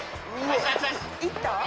いった？